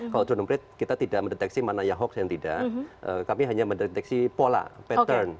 kalau drone emprit kita tidak mendeteksi mana ya hoax yang tidak kami hanya mendeteksi pola pattern